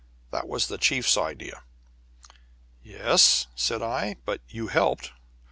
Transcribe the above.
That was the chief's idea." "Yes," said I, "but you helped.